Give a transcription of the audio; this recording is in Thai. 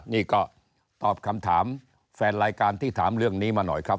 นี่ก็ตอบคำถามแฟนรายการที่ถามเรื่องนี้มาหน่อยครับ